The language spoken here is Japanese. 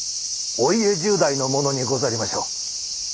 お家重代のものにござりましょう。